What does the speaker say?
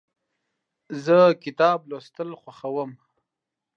زه کتاب لوستل خوښوم.